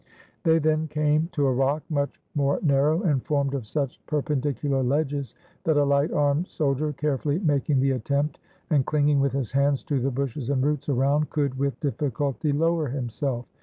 They then came to a rock much more narrow, and formed of such perpendicular ledges, that a Kght armed soldier, carefully making the attempt, and cHnging with his hands to the bushes and roots around, could with difficulty lower himself.